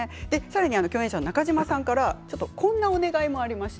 共演の中島さんからこんなお願いもきています。